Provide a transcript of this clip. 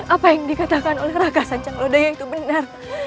apa yang dikatakan oleh raka sancaglodaya itu benar